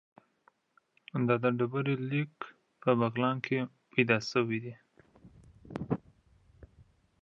دا ډبرلیک په بغلان کې موندل شوی